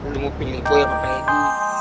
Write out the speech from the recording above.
lu mau pilih gue atau pak edi